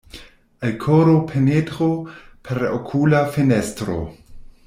Al koro penetro per okula fenestro.